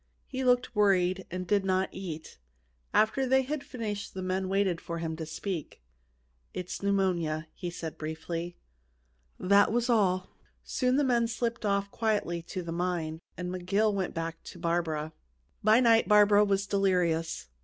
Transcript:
He looked worried and did not eat. After they had finished the men waited for him to speak. "It's pneumonia," he said briefly. That was all. Soon the men slipped off quietly to the mine, and McGill went back to Barbara. By night Barbara was delirious.